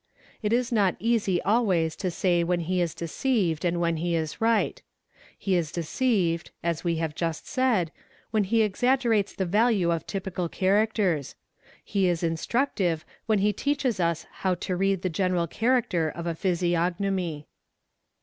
It is not easy always to say 9 hen he is deceived and when he is right. _ He is deceived, as we have a said, when he exaggerates the value of typical characters; he is 'ins ructive when he teaches us how to read the general character of e+ ' a physiognomy.